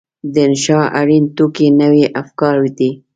د انشأ اړین توکي نوي افکار دي.